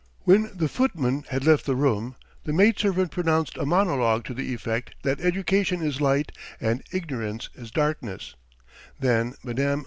When the footman had left the room, the maidservant pronounced a monologue to the effect that education is light and ignorance is darkness; then Mme.